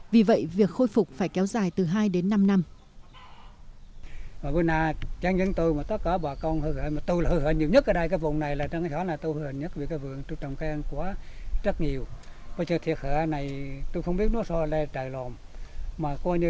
vì vậy việc khôi phục phải kéo dài từ hai đến năm năm